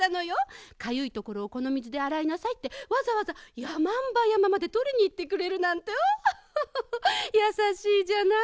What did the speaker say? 「かゆいところをこのみずであらいなさい」ってわざわざやまんばやままでとりにいってくれるなんてオホホホホやさしいじゃない。